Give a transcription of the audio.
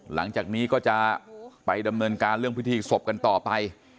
หลังจากนี้ก็จะไปดำเนินการเรื่องพิธีศพกันต่อไป